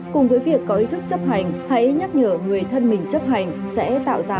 cùng với việc có ý thức chấp hành hãy nhắc nhở người thân mình chấp hành sẽ tạo ra một gia đình văn hóa